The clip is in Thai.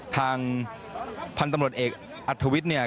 ทางทางตำรวจเอกอัธวิทย์เนี่ย